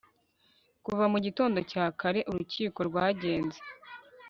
Kuva mu gitondo cya kare urukiko rwagenze